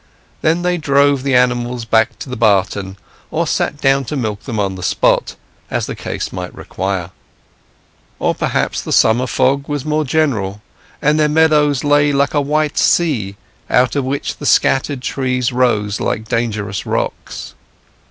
Then they drove the animals back to the barton, or sat down to milk them on the spot, as the case might require. Or perhaps the summer fog was more general, and the meadows lay like a white sea, out of which the scattered trees rose like dangerous rocks.